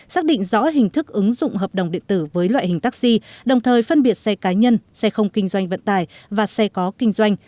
xác định rõ hình thức ứng dụng hợp đồng điện tử với loại hình taxi đồng thời phân biệt xe cá nhân xe không kinh doanh vận tải và xe có kinh doanh